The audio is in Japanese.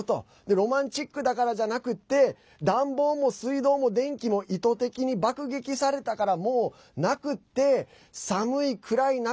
ロマンチックだからじゃなくて暖房も水道も電気も意図的に爆撃されたからもうなくて、寒い暗い中